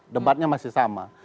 debatnya masih sama